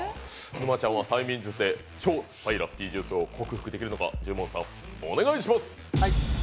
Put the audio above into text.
沼ちゃんは催眠術で超酸っぱいラッピージュースを克服できるのか、十文字さん、お願いします。